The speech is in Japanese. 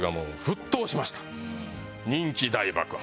人気大爆発。